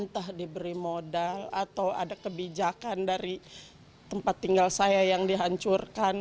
entah diberi modal atau ada kebijakan dari tempat tinggal saya yang dihancurkan